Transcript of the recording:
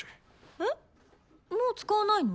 えっもう使わないの？